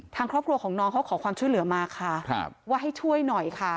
ทางครอบครัวของน้องเขาขอความช่วยเหลือมาค่ะว่าให้ช่วยหน่อยค่ะ